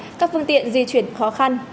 kéo dài các phương tiện di chuyển khó khăn